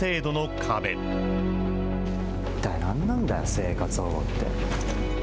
一体何なんだよ、生活保護って。